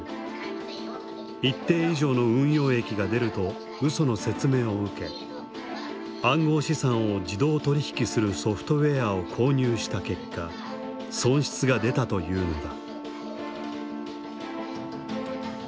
一定以上の運用益が出ると嘘の説明を受け暗号資産を自動取り引きするソフトウエアを購入した結果損失が出たというのだ。